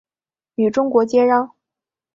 与中国接壤。